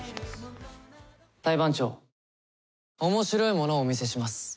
裁判長面白いものをお見せします。